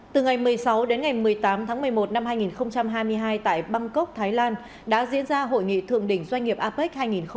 từ ngày một mươi sáu đến ngày một mươi tám tháng một mươi một năm hai nghìn hai mươi hai tại bangkok thái lan đã diễn ra hội nghị thượng đỉnh doanh nghiệp apec hai nghìn hai mươi